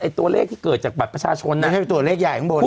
ตัวเลขที่เกิดจากบัตรประชาชนไม่ใช่ตัวเลขใหญ่ข้างบน